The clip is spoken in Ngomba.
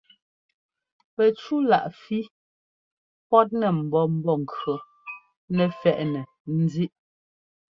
Pɛcúláꞌ fí pɔ́tnɛ mbɔ̌ Mbɔ́ŋkʉɔ́ nɛ fɛ́ꞌnɛ ńzíꞌ.